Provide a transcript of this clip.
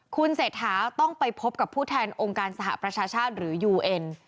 คุณเศรษฐาต้องไปพบกับผู้แทนองค์การสหประชาชาติหรือยูเอ็น